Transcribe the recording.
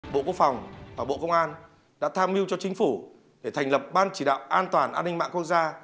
bộ quốc phòng và bộ công an đã tham mưu cho chính phủ để thành lập ban chỉ đạo an toàn an ninh mạng quốc gia